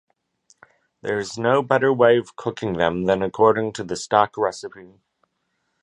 There is no better way of cooking them than according to the stock recipe.